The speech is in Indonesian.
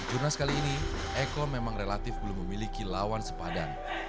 jurnas kali ini eko memang relatif belum memiliki lawan sepadan